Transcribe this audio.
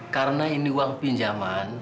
karena ini uang pinjaman